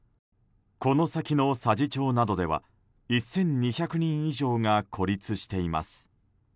この先の佐治町などでは１２００人以上が孤立しています。